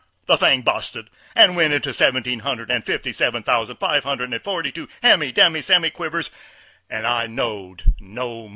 The thing busted and went off into seventeen hundred and fifty seven thousand five hundred and forty two hemi demi semi quivers, and I know'd no mo'.